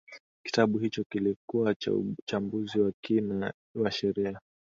kitabu hicho kilikuwa na uchambuzi wa kina wa kisheria